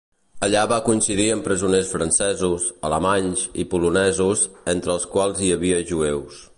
Allà va coincidir amb presoners francesos, alemanys i polonesos, entre els quals hi havia jueus.